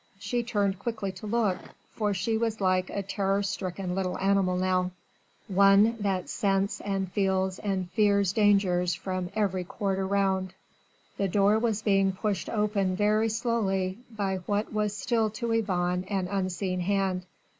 She turned quickly to look for she was like a terror stricken little animal now one that scents and feels and fears danger from every quarter round. The door was being pushed open very slowly by what was still to Yvonne an unseen hand.